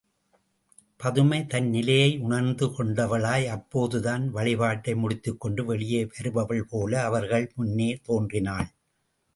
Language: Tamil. பதுமை தன் நிலையை உணர்ந்து கொண்டவளாய், அப்போதுதான் வழிபாட்டை முடித்துக் கொண்டு வெளியே வருபவள்போல அவர்கள் முன்னே தோன்றினாள்.